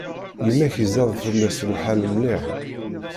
Yemma-k izad fell-as lḥal mliḥ.